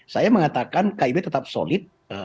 saya mengatakan kib tetap solid